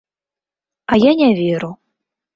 А я не веру.